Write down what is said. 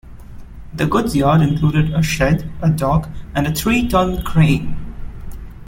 The goods yard included a shed, a dock and a three-ton crane.